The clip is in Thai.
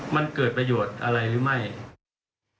มันเกิดประโยชน์อะไรหรือไม่